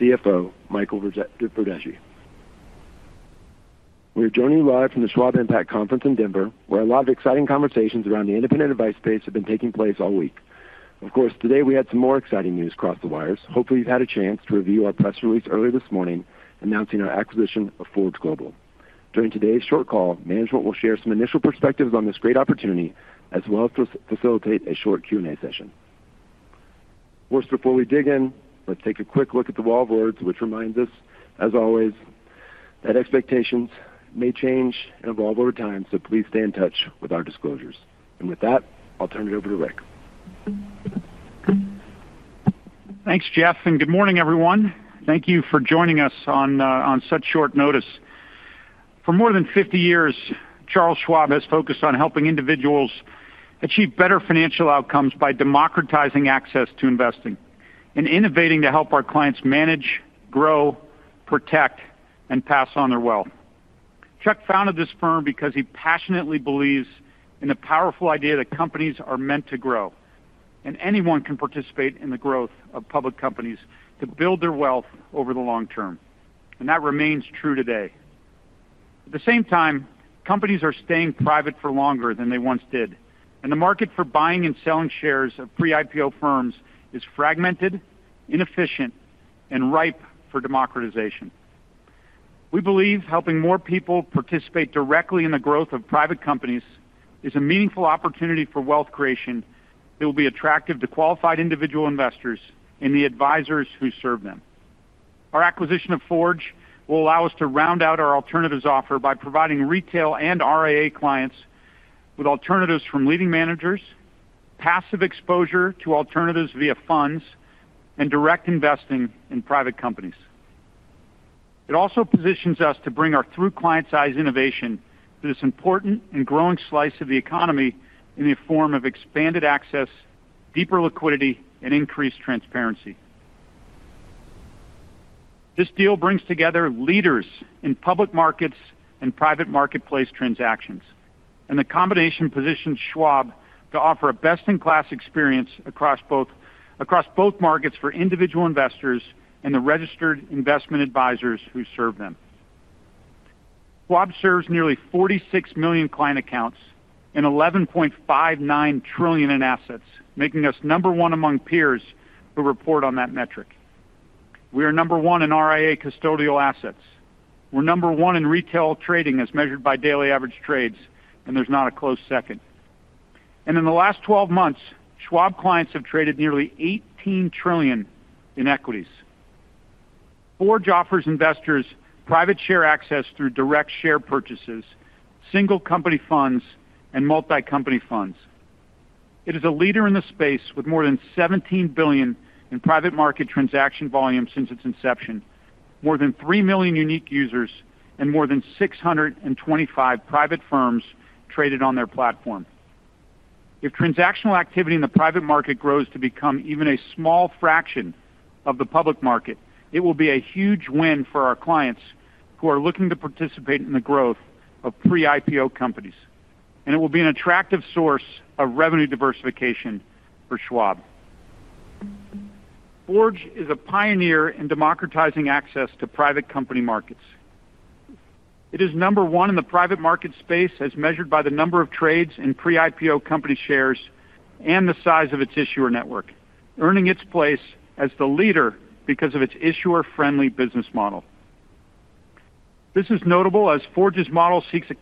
CFO Michael Verdeschi. We're joining you live from the Schwab Impact Conference in Denver, where a lot of exciting conversations around the independent advice space have been taking place all week. Of course, today we had some more exciting news across the wires. Hopefully you've had a chance to review our press release earlier this morning announcing our acquisition of Forge Global. During today's short call, management will share some initial perspectives on this great opportunity as well as facilitate a short Q and A session. First, before we dig in, let's take a quick look at the Wall of Words which reminds us, as always, that expectations may change and evolve over time. Please stay in touch with our disclosures. With that, I'll turn it over to Rick. Thanks Jeff and good morning everyone. Thank you for joining us on such short notice. For more than 50 years, Charles Schwab has focused on helping individuals achieve better financial outcomes by democratizing access to investing and innovating to help our clients manage, grow, protect and pass on their wealth. Chuck founded this firm because he passionately believes in a powerful idea that companies are meant to grow and anyone can participate in the growth of public companies to build their wealth over the long term. That remains true today. At the same time, companies are staying private for longer than they once did and the market for buying and selling shares of pre IPO firms is fragmented, inefficient and ripe for democratization. We believe helping more people participate directly in the growth of private companies is a meaningful opportunity for wealth creation that will be attractive to qualified individual investors and the advisors who serve them. Our acquisition of Forge will allow us to round out our alternatives offer by providing retail and RIA clients with alternatives from leading managers, passive exposure to alternatives via funds, and direct investing in private companies. It also positions us to bring our through client size innovation to this important and growing slice of the economy in the form of expanded access, deeper liquidity, and increased transparency. This deal brings together leaders in public markets and private marketplace transactions, and the combination positions Schwab to offer a best-in-class experience across both markets for individual investors and the registered investment advisors who serve them. Schwab serves nearly 46 million client accounts and $11.59 trillion in assets, making us number one among peers who report on that metric. We are number one in RIA custodial assets. We're number one in retail trading as measured by daily average trades and there's not a close second. In the last 12 months, Schwab clients have traded nearly $18 trillion in equities. Forge offers investors private share access through direct share purchases, single company funds, and multi company funds. It is a leader in the space with more than $17 billion in private market transaction volume since its inception. More than 3 million unique users and more than 625 private firms have traded on their platform. If transactional activity in the private market grows to become even a small fraction of the public market, it will be a huge win for our clients who are looking to participate in the growth of pre IPO companies. It will be an attractive source of revenue diversification for Schwab. Forge is a pioneer in democratizing access to private company markets. It is number one in the private market space as measured by the number of trades in pre-IPO company shares and the size of its issuer network, earning its place as the leader because of its issuer-friendly business model. This is notable as Forge's model seeks a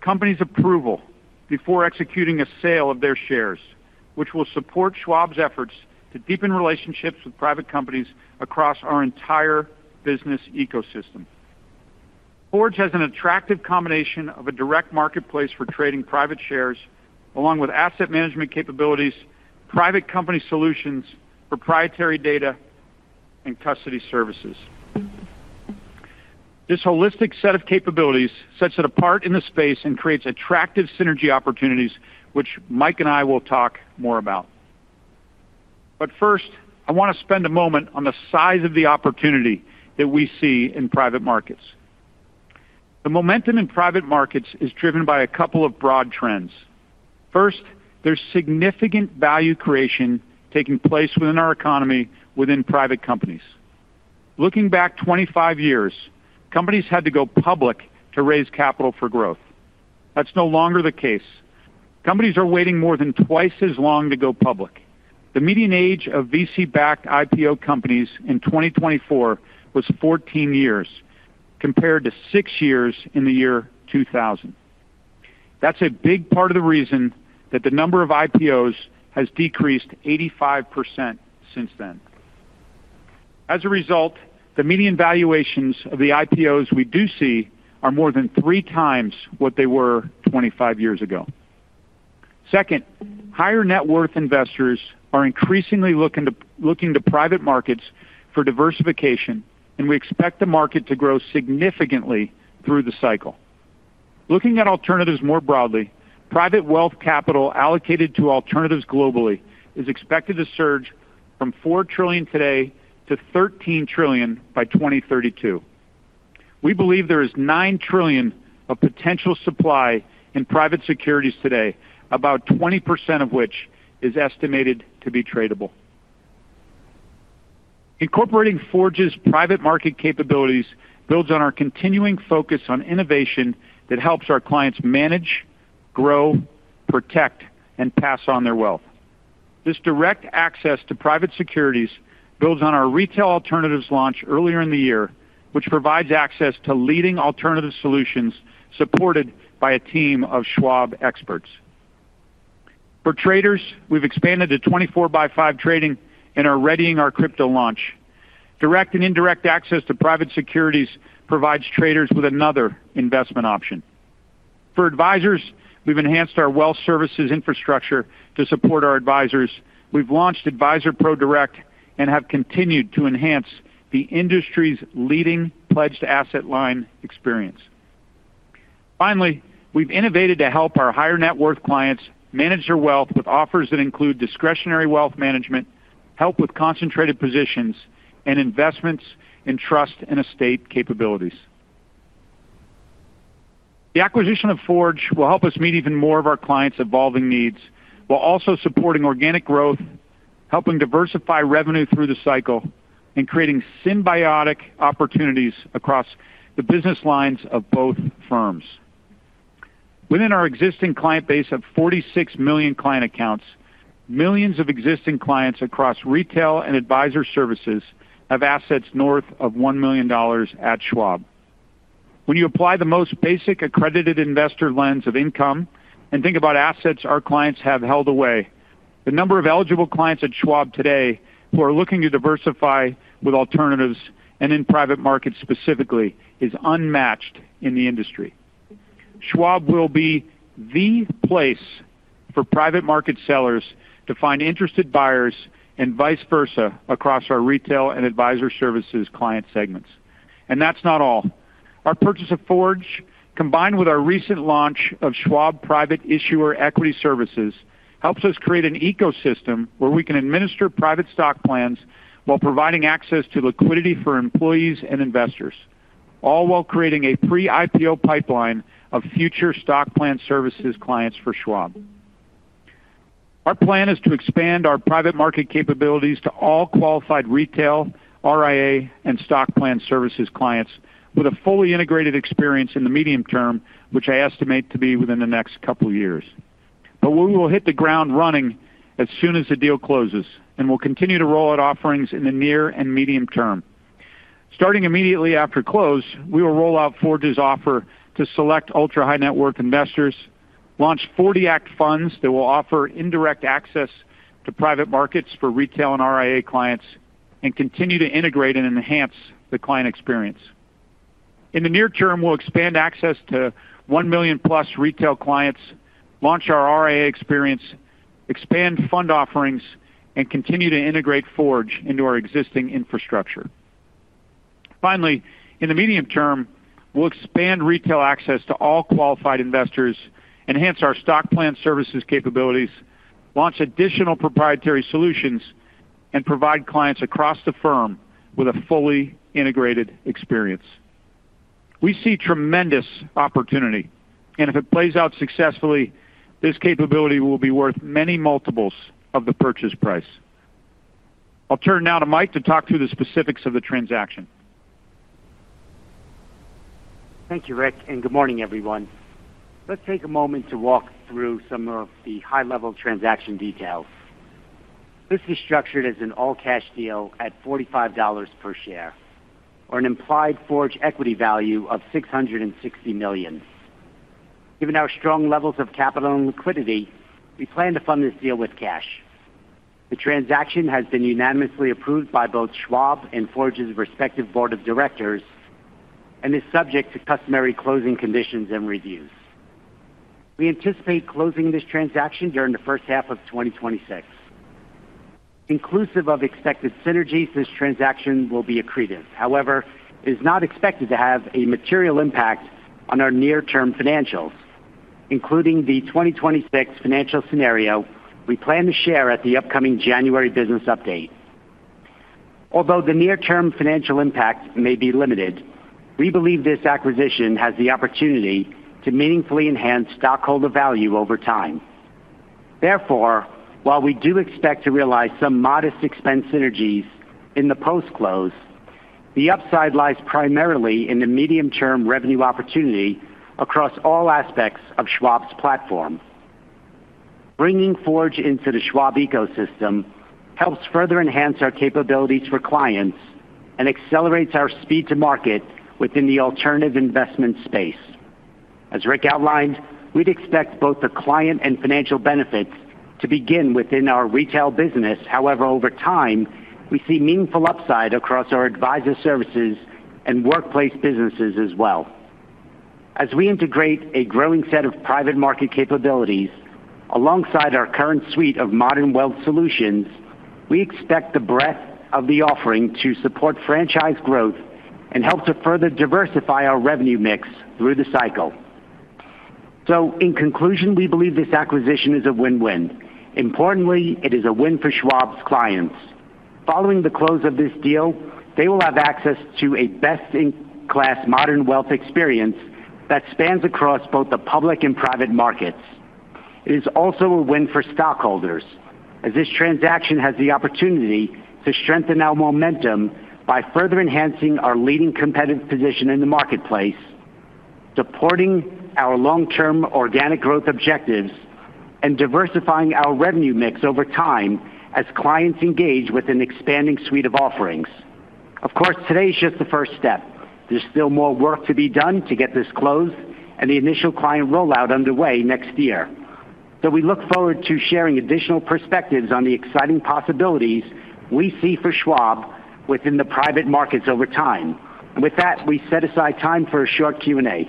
company's approval before executing a sale of their shares, which will support Schwab's efforts to deepen relationships with private companies across our entire business ecosystem. Forge has an attractive combination of a direct marketplace for trading private shares along with asset management capabilities, private company solutions, proprietary data, and custody services. This holistic set of capabilities sets it apart in the space and creates attractive synergy opportunities which Mike and I will talk more about. First, I want to spend a moment on the size of the opportunity that we see in private markets. The momentum in private markets is driven by a couple of broad trends. First, there's significant value creation taking place within our economy, within private companies. Looking back 25 years, companies had to go public to raise capital for growth. That's no longer the case. Companies are waiting more than twice as long to go public. The median age of VC backed IPO companies in 2024 was 14 years compared to 6 years in the year 2000. That's a big part of the reason that the number of IPOs has decreased 85% since then. As a result, the median valuations of the IPOs we do see are more than three times what they were 25 years ago. Second, higher net worth investors are increasingly looking to private markets for diversification and we expect the market to grow significantly through the cycle. Looking at alternatives more broadly, private wealth, capital allocated to alternatives globally is expected to surge from $4 trillion today to $13 trillion by 2032. We believe there is $9 trillion of potential supply in private securities today, about 20% of which is estimated to be tradable. Incorporating Forge's private market capabilities builds on our continuing focus on innovation that helps our clients manage, grow, protect, and pass on their wealth. This direct access to private securities builds on our retail alternatives launch earlier in the year, which provides access to leading alternative solutions. Supported by a team of Schwab experts for traders, we've expanded to 24x5 trading and are readying our crypto launch. Direct and indirect access to private securities provides traders with another investment option. For advisors, we've enhanced our wealth services infrastructure to support our advisors. We've launched Advisor Pro Direct and have continued to enhance the industry's leading Pledged Asset Line experience. Finally, we've innovated to help our higher net worth clients manage their wealth with offers that include discretionary wealth management, help with concentrated positions, and investments in trust and estate capabilities. The acquisition of Forge will help us meet even more of our clients' evolving needs while also supporting organic growth, helping diversify revenue through the cycle, and creating symbiotic opportunities across the business lines of both firms. Within our existing client base of 46 million client accounts, millions of existing clients across retail and advisor services have assets north of $1 million at Schwab. When you apply the most basic accredited investor lens of income and think about assets our clients have held away. The number of eligible clients at Schwab today who are looking to diversify with alternatives and in private markets specifically is unmatched in the industry. Schwab will be the place for private market sellers to find interested buyers and vice versa across our retail and advisor services client segments. That's not all. Our purchase of Forge combined with our recent launch of Schwab Private Issuer Equity Services helps us create an ecosystem where we can administer private stock plans and while providing access to liquidity for employees and investors, all while creating a pre-IPO pipeline of future stock plan services clients for Schwab, our plan is to expand our private market capabilities to all qualified retail, RIA and stock plan services clients with a fully integrated experience in the medium term which I estimate to be within the next couple years, but we will hit the ground running as soon as the deal closes and will continue to roll out offerings in the near and medium term. Starting immediately after close we will roll out Forge's offer to select ultra high net worth investors, launch 1940 Act funds that will offer indirect access to private markets for retail and RIA clients and continue to integrate and enhance the client experience. In the near term we'll expand access to 1 million-plus retail clients, launch our RIA experience, expand fund offerings and continue to integrate Forge into our existing infrastructure. Finally in the medium term we'll expand. Retail access to all qualified investors enhance Our stock plan services capabilities, launch additional proprietary solutions, and provide clients across the firm with a fully integrated experience. We see tremendous opportunity, and if it plays out successfully, this capability will be worth many multiples of the purchase price. I'll turn now to Mike to talk through the specifics of the transaction. Thank you Rick and good morning everyone. Let's take a moment to walk through some of the high level transaction details. This is structured as an all cash deal at $4.45 per share or an implied Forge equity value of $660 million. Given our strong levels of capital and liquidity, we plan to fund this deal with cash. The transaction has been unanimously approved by both Schwab and Forge's respective Board of Directors and is subject to customary closing conditions and reviews. We anticipate closing this transaction during the first half of 2026 inclusive of expected synergies. This transaction will be accretive, however, is not expected to have a material impact on our near term financials, including the 2026 financial scenario we plan to share at the upcoming January Business update. Although the near term financial impact may be limited, we believe this acquisition has the opportunity to meaningfully enhance stockholder value over time. Therefore, while we do expect to realize some modest expense synergies in the post close, the upside lies primarily in the medium term revenue opportunity across all aspects of Schwab's platform. Bringing Forge into the Schwab ecosystem helps further enhance our capabilities for clients and accelerates our speed to market within the alternative investment space. As Rick outlined, we'd expect both the client and financial benefits to begin within our retail business. However, over time we see meaningful upside across our advisor services and workplace businesses as well as we integrate a growing set of private market capabilities alongside our current suite of modern wealth solutions. We expect the breadth of the offering to support franchise growth and help to further diversify our revenue mix through the cycle. In conclusion, we believe this acquisition is a win win. Importantly, it is a win for Schwab's clients. Following the close of this deal, they will have access to a best in class modern wealth experience that spans across both the public and private markets. It is also a win for stockholders as this transaction has the opportunity to strengthen our momentum by further enhancing our leading competitive position in the marketplace, supporting our long term organic growth objectives and diversifying our revenue mix over time as clients engage with an expanding suite of offerings. Of course, today is just the first step. There is still more work to be done to get this closed and the initial client rollout underway next year. We look forward to sharing additional perspectives on the exciting, exciting possibilities we see for Schwab within the private markets over time. With that, we set aside time for a short Q and A.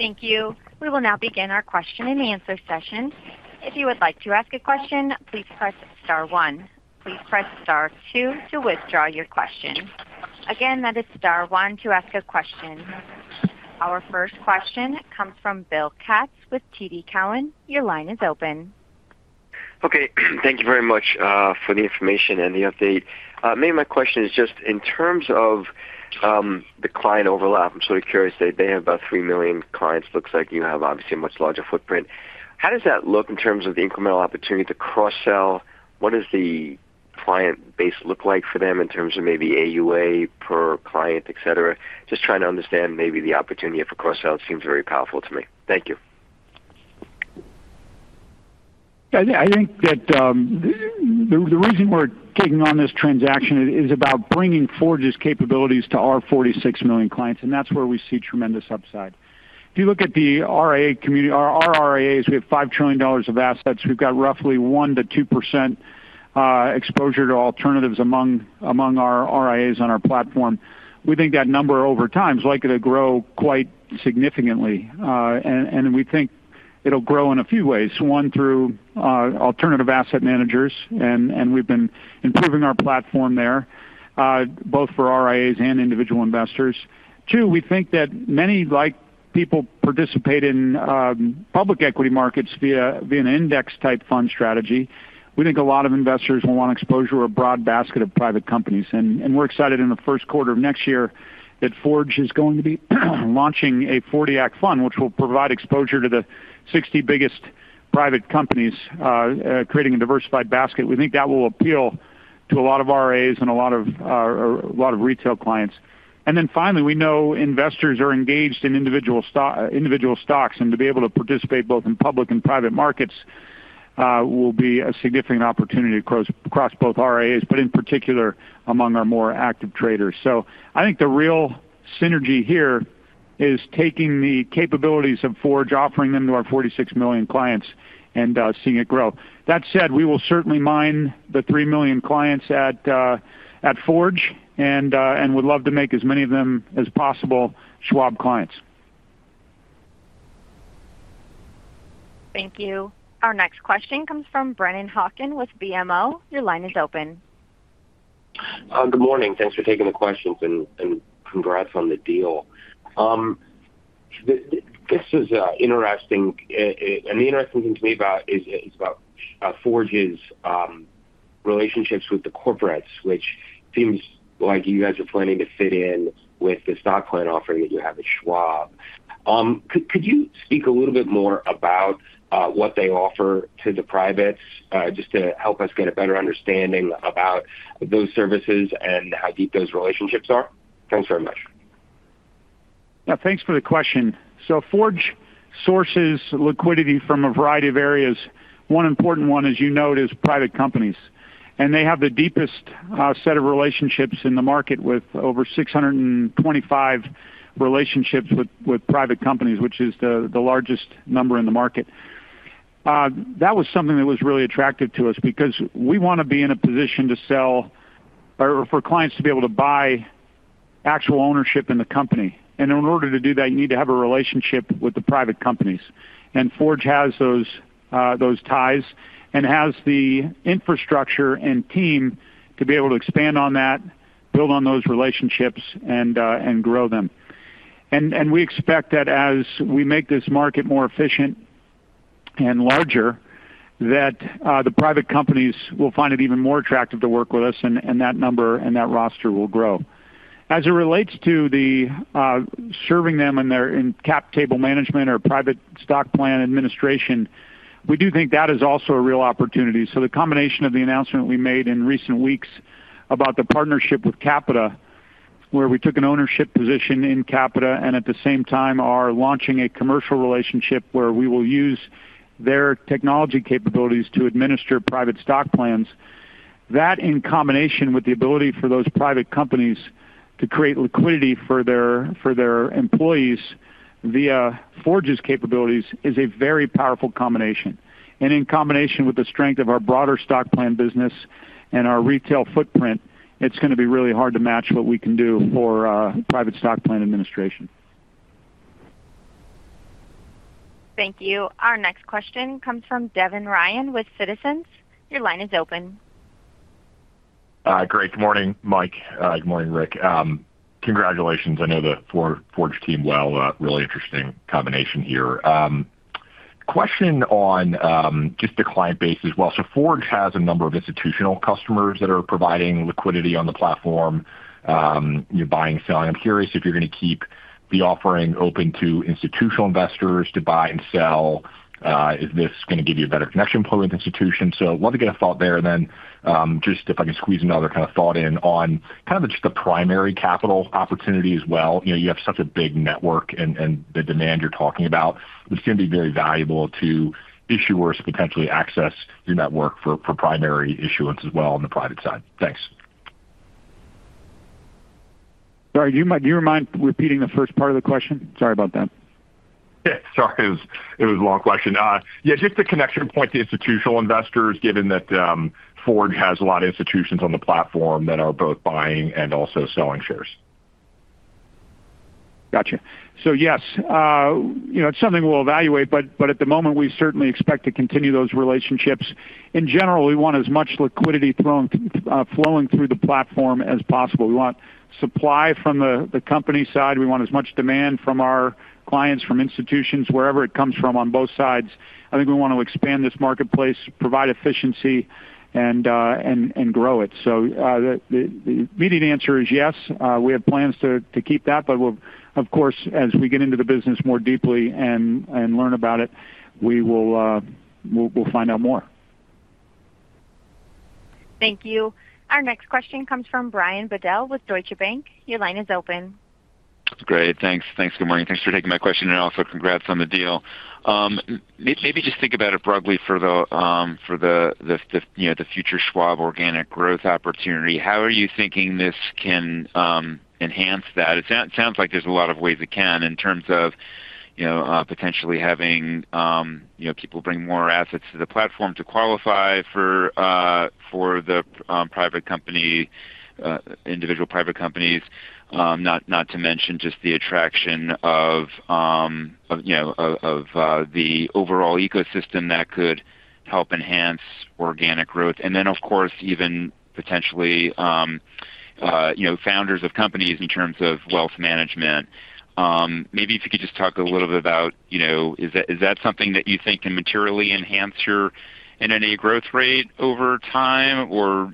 Operator? Thank you. We will now begin our question and answer session. If you would like to ask a question, please press Star one. Please press Star two to withdraw your question. Again, that is Star one to ask a question. Our first question comes from Bill Katz with TD Cowen. Your line is open. Okay. Thank you very much for the information and the update. Maybe my question is just in terms of the client overlap, I'm sort of curious. They have about 3 million clients. Looks like you have obviously a much larger footprint. How does that look in terms of the incremental opportunity to cross sell? What does the client base look like for them in terms of maybe AUA per client, etc.? Just trying to understand maybe the opportunity for cross sell seems very powerful to me. Thank you. I think that the reason we're taking on this transaction is about bringing Forge's capabilities to our 46 million clients. That is where we see tremendous upside. If you look at the RIA community, our RIAs, we have $5 trillion of assets. We've got roughly 1-2% exposure to alternatives among our RIAs on our platform. We think that number over time is likely to grow quite significantly. We think it'll grow in a few ways. One, through alternative asset managers. We've been improving our platform there both for RIAs and individual investors. Two, we think that many, like people participate in public equity markets via the index type fund strategy. We think a lot of investors will want exposure, a broad basket of private companies. We are excited in the first quarter of next year that Forge is going to be launching a 1940 Act Fund which will provide exposure to the 60 biggest private companies, creating a diversified basket. We think that will appeal to a lot of RIAs and a lot of retail clients. We know investors are engaged in individual stocks and to be able to participate both in public and private markets will be a significant opportunity across both RIAs, but in particular among our more active traders. I think the real synergy here is taking the capabilities of Forge, offering them to our 46 million clients and seeing it grow. That said, we will certainly mine the 3 million clients at Forge and would love to make as many of them as possible Schwab clients. Thank you. Our next question comes from Brennan Hawken with BMO Capital Markets. Your line is open. Good morning. Thanks for taking the questions and congrats on the deal. This is interesting. The interesting thing to me about it is about Forge's relationships with the corporates, which seems like you guys are planning to fit in with the stock plan offering that you have at Schwab. Could you speak a little bit more about what they offer to the privates just to help us get a better understanding about those services and how deep those relationships are? Thanks very much. Thanks for the question. Forge sources liquidity from a variety of areas. One important one, as you note, is private companies. They have the deepest set of relationships in the market, with over 625 relationships with private companies, which is the largest number in the market. That was something that was really attractive to us because we want to be in a position to sell for clients, to be able to buy actual ownership in the company. In order to do that, you need to have a relationship with the private companies. Forge has those ties and has the infrastructure and team to be able to expand on that, build on those relationships and grow them. We expect that as we make this market more efficient and larger, the private companies will find it even more attractive to work with us and that number and that roster will grow as it relates to serving them in their cap table management or private stock plan administration. We do think that is also a real opportunity. The combination of the announcement we made in recent weeks about the partnership with Capita, where we took an ownership position in Capita and at the same time are launching a commercial relationship where we will use their technology capabilities to administer private stock plans, in combination with the ability for those private companies to create liquidity for their employees via Forge's capabilities, is a very powerful combination. In combination with the strength of our broader stock plan business and our retail footprint, it's going to be really hard to match what we can do for private stock plan administration. Thank you. Our next question comes from Devin Ryan with Citizens. Your line is open. Great. Morning, Mike. Good morning, Rick. Congratulations. I know the Forge team well. Really interesting combination here. Question on just the client base as well. So Forge has a number of institutional customers that are providing liquidity on the platform. You're buying, selling. I'm curious if you're going to keep the offering open to institutional investors to buy and sell. Is this going to give you a better connection point with institutions? Let's get a thought there and then just if I can squeeze another kind of thought in on kind of just the primary capital opportunity as well. You know, you have such a big network and the demand you're talking about, it's going to be very valuable to issuers, potentially access your network for primary issuance as well on the private side. Thanks. Sorry, do you mind repeating the first part of the question? Sorry about that. It was a long question. Yeah, just the connection point to institutional investors, given that Forge has a lot of institutions on the platform that are both buying and also selling shares. Gotcha. Yes, you know, it's something we'll evaluate. At the moment we certainly expect to continue those relationships. In general, we want as much liquidity flowing through the platform as possible. We want supply from the company side, we want as much demand from our clients, from institutions, wherever it comes from, on both sides. I think we want to expand this marketplace, provide efficiency, and grow it. The immediate answer is yes, we have plans to keep that. Of course, as we get into the business more deeply and learn about it, we will find out more. Thank you. Our next question comes from Brian Bedell with Deutsche Bank. Your line is open. Great, thanks. Thanks. Good morning. Thanks for taking my question and also congrats on the deal. Maybe just think about it broadly for the future Schwab organic growth opportunity. How are you thinking this can enhance that? It sounds like there's a lot of ways it can in terms of potentially having people bring more assets to the platform to qualify for the private company, individual private companies, not to mention just the attraction of the overall ecosystem, that could help enhance organic growth. Of course, even potentially founders of companies in terms of wealth management. Maybe if you could just talk a little bit about, is that something that you think can materially enhance your NNA growth rate over time, or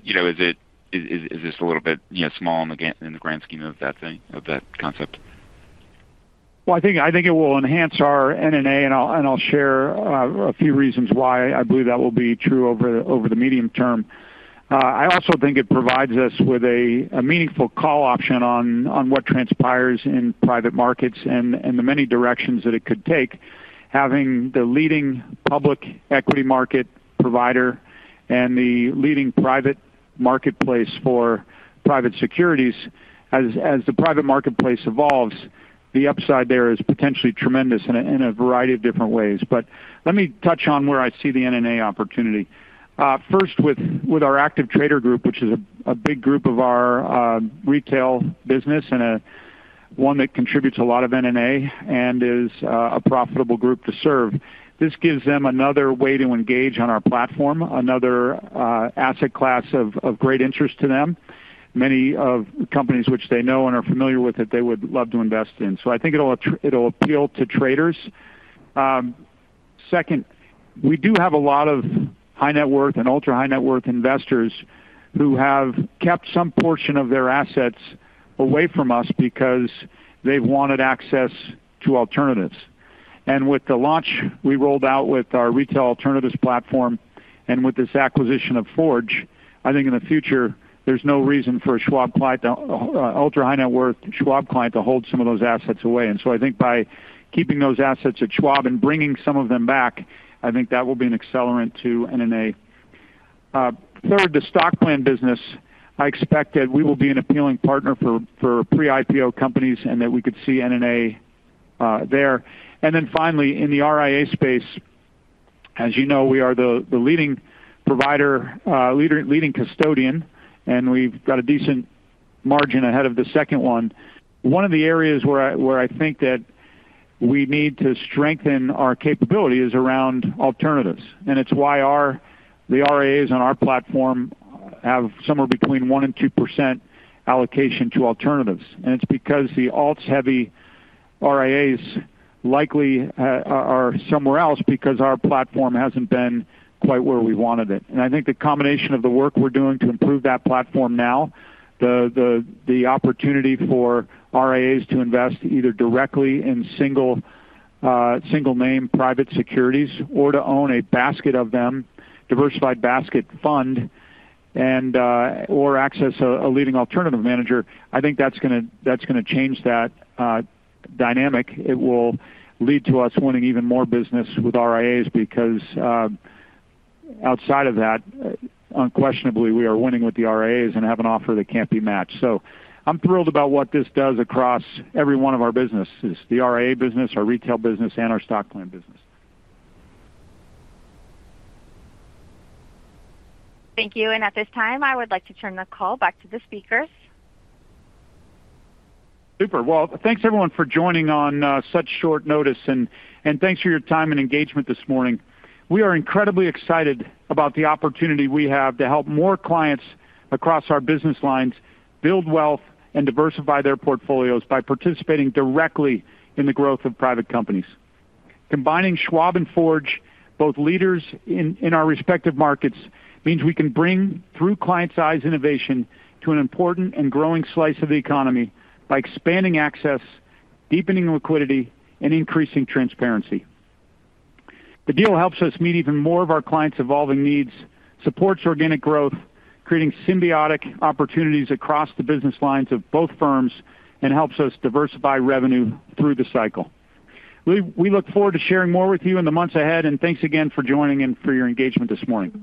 is this a little bit small in the grand scheme of that concept? I think it will enhance our NNA and I'll share a few reasons why I believe that will be true over the medium term. I also think it provides us with a meaningful call option on what transpires in private markets and the many directions that it could take, having the leading public equity market provider and the leading private marketplace for private securities. As the private marketplace evolves, the upside there is potentially tremendous in a variety of different ways. Let me touch on where I see the NNA opportunity. First, with our active trader group, which is a big group of our retail business and one that contributes a lot of NNA and is a profitable group to serve. This gives them another way to engage on our platform, another asset class of great interest to them. Many of the companies which they know and are familiar with that they would love to invest in. I think it will appeal to traders. Second, we do have a lot of high net worth and ultra high net worth investors who have kept some portion of their assets away from us because they've wanted access to alternatives. With the launch we rolled out with our retail alternatives platform and with this acquisition of Forge, I think in the future there's no reason for a Schwab client, ultra high net worth Schwab client to hold some of those assets away. I think by keeping those assets at Schwab and bringing some of them back, I think that will be an accelerant to NNA. Third, the stock plan business. I expect that we will be an appealing partner for pre IPO companies and that we could see NNA there. Finally, in the RIA space, as you know, we are the leading provider, leading custodian and we've got a decent margin ahead of the second one. One of the areas where I think that we need to strengthen our capability is around alternatives. It is why the RIAs on our platform have somewhere between 1%-2% allocation to alternatives and it is because the alts heavy RIAs likely are somewhere else because our platform has not been quite where we wanted it. I think the combination of the work we are doing to improve that platform now, the opportunity for RIAs to invest either directly in single name private securities or to own a basket of them, diversified basket fund, and or access a leading alternative manager, I think that is going to change that dynamic. It will lead to us winning even more business with RIAs because outside of that, unquestionably we are winning with the RIAs and have an offer that cannot be matched. I'm thrilled about what this does across every one of our businesses, the RIA business, our retail business and our stock plan business. Thank you. At this time I would like to turn the call back to the speakers. Super. Thanks everyone for joining on such short notice and thanks for your time and engagement this morning. We are incredibly excited about the opportunity we have to help more clients across our business lines build wealth and diversify their portfolios by participating directly in the growth of private companies. Combining Schwab and Forge, both leaders in our respective markets, means we can bring through client-size innovation to an important growing slice of the economy. By expanding access, deepening liquidity, and increasing transparency, the deal helps us meet even more of our clients evolving needs supports organic growth, creating symbiotic. Opportunities across the business lines of both firms and helps us diversify revenue through the cycle. We look forward to sharing more with you in the months ahead. Thank you again for joining and for your engagement this morning.